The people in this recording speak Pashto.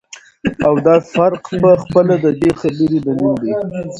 او دافرق په خپله ددي خبري دليل دى